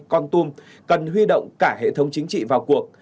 con tum cần huy động cả hệ thống chính trị vào cuộc